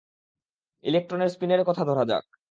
ইলেকট্রনের স্পিনের কথা ধরা যাক।